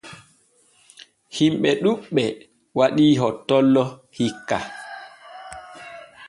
Himɓe ɗuuɓɓe waɗi hottollo hikka.